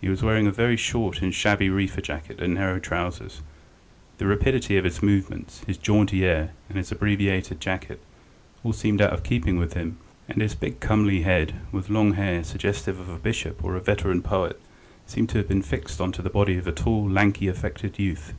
He was wearing a very short and shabby reefer jacket and narrow trousers; the rapidity of his movements, his jaunty air, and his abbreviated jacket all seemed out of keeping with him, and his big comely head, with long hair suggestive of a bishop or a veteran poet, seemed to have been fixed on to the body of a tall, lanky, affected youth.